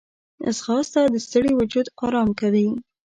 ځغاسته د ستړي وجود آرام کوي